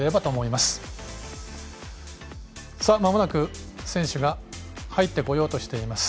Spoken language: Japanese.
まもなく選手が入ってこようとしています。